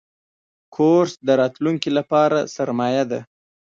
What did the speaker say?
کورس د راتلونکي لپاره سرمایه ده.